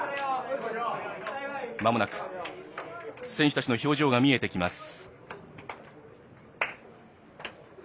まもなく選手たちの表情が見えてきます。